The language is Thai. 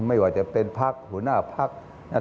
ไม่ว่าจะเป็นภักดิ์หัวหน้าภักดิ์